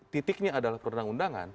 titiknya adalah perundang undangan